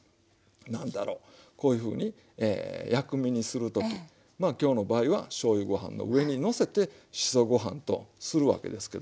こういうふうに薬味にする時まあ今日の場合はしょうゆご飯の上にのせてしそご飯とするわけですけども。